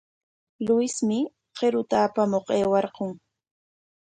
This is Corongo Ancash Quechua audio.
Luismi qiruta apamuq aywarqun.